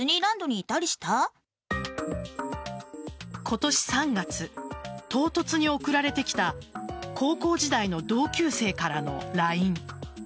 今年３月唐突に送られてきた高校時代の同級生からのＬＩＮＥ。